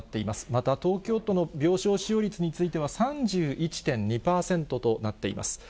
また、東京都の病床使用率については３１．２％となっています。